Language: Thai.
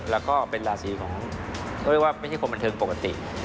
แล้วก็เป็นราศีของเขาเรียกว่าไม่ใช่คนบันเทิงปกติ